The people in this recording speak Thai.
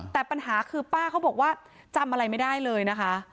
แต่ปัญหาคือป้าเขาบอกว่าจำอะไรไม่ได้เลยนะคะ